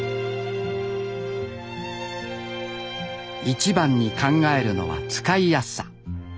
一番に考えるのは使いやすさ。